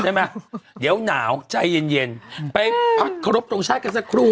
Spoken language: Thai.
เดี๋ยวนาวใจเย็นไปพักครบตรงชาติกันสักครู่